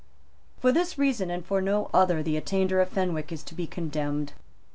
For this reason, and for no other, the attainder of Fenwick is to be condemned.